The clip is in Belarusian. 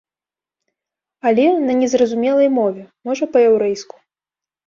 Але на незразумелай мове, можа, па-яўрэйску.